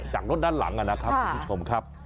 จากรถด้านหลังนะครับคุณผู้ชมครับ